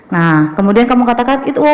nah kemudian kamu katakan